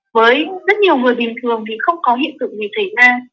với rất nhiều người bình thường thì không có hiện thực gì thể ra